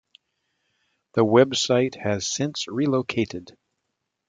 The website has since relocated.